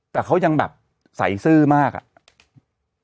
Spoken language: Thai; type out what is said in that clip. แต่เขายังแบบใสซื่อมากอะ